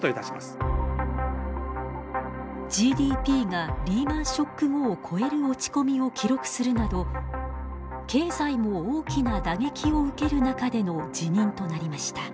ＧＤＰがリーマンショック後を超える落ち込みを記録するなど経済も大きな打撃を受ける中での辞任となりました。